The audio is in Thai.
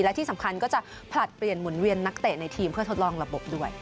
และที่สำคัญก็จะผลัดเปลี่ยนหมุนเวียนนักเตะในทีมเพื่อทดลองระบบด้วย